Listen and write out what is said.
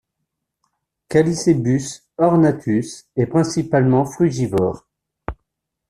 Callicebus ornatus est principalement frugivore.